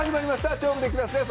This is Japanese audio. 『超無敵クラス』です。